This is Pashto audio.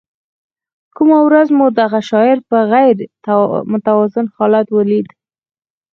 کومه ورځ مو دغه شاعر په غیر متوازن حالت ولید.